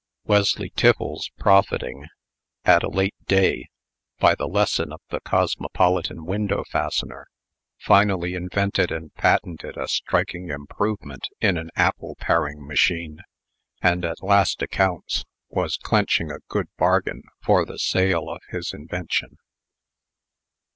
Wesley Tiffles, profiting, at a late day, by the lesson of the "Cosmopolitan Window Fastener," finally invented and patented a striking improvement in an apple paring machine, and, at last accounts, was clenching a good bargain for the sale of his invention.